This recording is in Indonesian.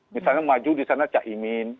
misalnya maju di sana caimin